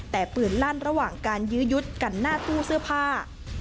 แต่ปืนลั่นระหว่างการยื้อยุดกันหน้าตู้เสื้อผ้า